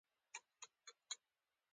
د ګاونډي ماشومانو ته مهربان اوسه